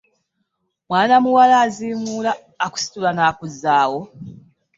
Mwana muwala azimuula akusitula n'akuzaawo .